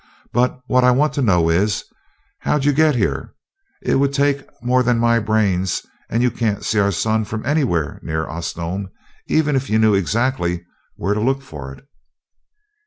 But what I want to know is, how'd you get here? It would take more than my brains you can't see our sun from anywhere near Osnome, even if you knew exactly where to look for it."